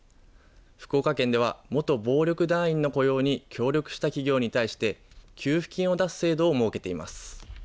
福岡県では元暴力団員の雇用に協力した企業に対して、給付金を出す制度を設けています。